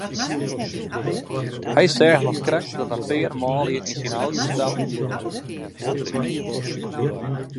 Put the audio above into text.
Hy seach noch krekt dat in pear manlju yn syn auto stapten en fuortrieden.